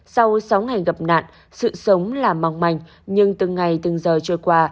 sau sáu ngày gặp nạn sự sống là mong manh nhưng từng ngày từng giờ trôi qua